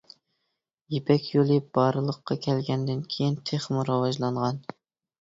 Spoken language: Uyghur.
يىپەك يولى بارلىققا كەلگەندىن كېيىن، تېخىمۇ راۋاجلانغان.